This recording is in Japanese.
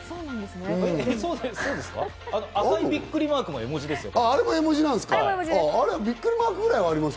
赤いビックリマークも絵文字ですよ。